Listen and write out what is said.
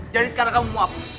jadi sekarang kamu mau apa